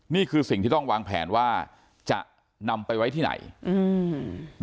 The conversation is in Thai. นี่คือสิ่งที่ต้องวางแผนว่าจะนำไปไว้ที่ไหนอืม